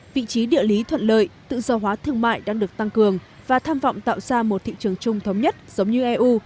vị trí địa lý thuận lợi tự do hóa thương mại đang được tăng cường và tham vọng tạo ra một thị trường chung thống nhất giống như eu